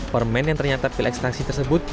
permen yang ternyata pil ekstasi tersebut